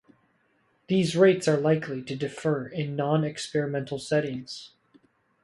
These rates are likely to differ in non experimental settings.